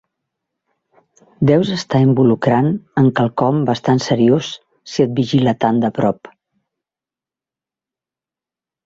Deus estar involucrant en quelcom bastant seriós si et vigila tant de prop.